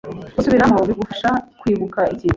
Gusubiramo bigufasha kwibuka ikintu.